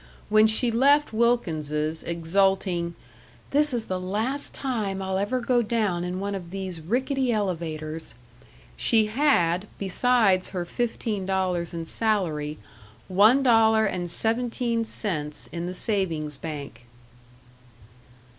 When she left Wilkins's, exulting, "This is the last time I'll ever go down in one of these rickety elevators," she had, besides her fifteen dollars in salary, one dollar and seventeen cents in the savings bank.